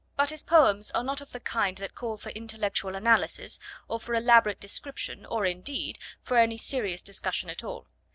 But his poems are not of the kind that call for intellectual analysis or for elaborate description or, indeed, for any serious discussion at all.